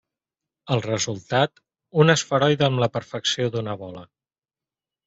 El resultat: un esferoide amb la perfecció d'una bola.